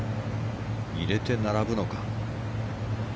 入れて並ぶのか。